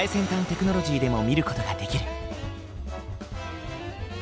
テクノロジーでも見る事ができる。